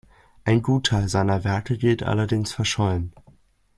Ein Gutteil seiner Werke gilt allerdings verschollen.